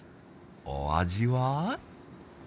お味は？